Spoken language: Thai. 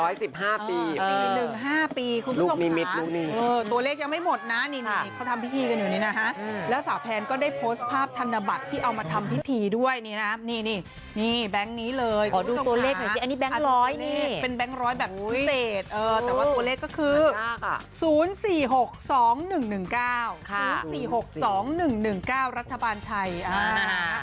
ตี๕ปี๑๕ปีคุณผู้ชมค่ะตัวเลขยังไม่หมดนะนี่เขาทำพิธีกันอยู่นี่นะฮะแล้วสาวแพนก็ได้โพสต์ภาพธนบัตรที่เอามาทำพิธีด้วยนี่นะนี่นี่แบงค์นี้เลยขอดูตัวเลขหน่อยสิอันนี้แก๊งร้อยนี่เป็นแบงค์ร้อยแบบพิเศษแต่ว่าตัวเลขก็คือ๐๔๖๒๑๑๙๐๔๖๒๑๑๙รัฐบาลไทยอ่า